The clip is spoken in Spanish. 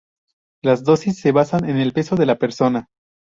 Las dosis se basan en el peso de la persona.